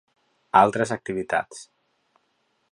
Altres activitats.